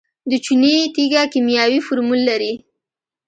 د چونې تیږه کیمیاوي فورمول لري.